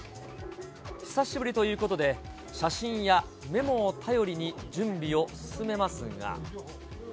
久しぶりということで、写真やメモを頼りに準備を進めますが。